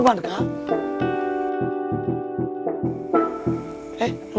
mereka memang berkelakuan